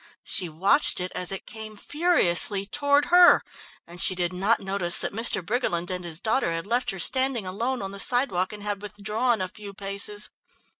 She watched it as it came furiously toward her, and she did not notice that Mr. Briggerland and his daughter had left her standing alone on the sidewalk and had withdrawn a few paces.